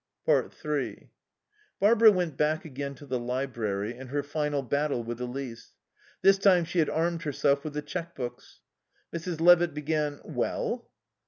3 Barbara went back again to the library and her final battle with Elise. This time she had armed herself with the cheque books. Mrs. Levitt began, "Well